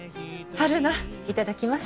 春菜いただきます。